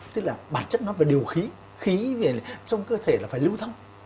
tức là bản chất nó phải điều khí khí trong cơ thể là phải lưu thông